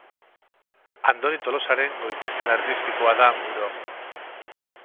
Andoni Tolosaren goitizen artistikoa da Morau.